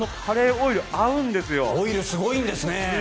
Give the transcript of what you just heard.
オイルすごいんですね。